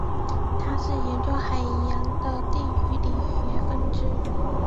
它是研究海洋的地理学的分支。